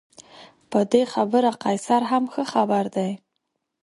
په دې خبره قیصر هم ښه خبر دی.